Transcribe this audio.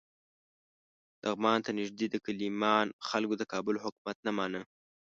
لغمان ته نږدې د کیلمان خلکو د کابل حکومت نه مانه.